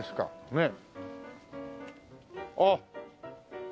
ねえ。